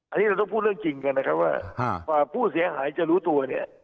อันนี้เราต้องพูดเรื่องจริงกันนะครับว่ากว่าผู้เสียหายจะรู้ตัวเนี่ย